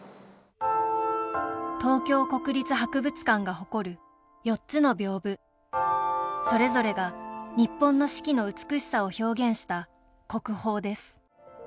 東京国立博物館が誇る４つの屏風それぞれが日本の四季の美しさを表現した国宝です